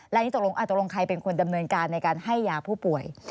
และอันนี้ตกลงใครเป็นคนดำเนินการในการให้ยาผู้ป่วย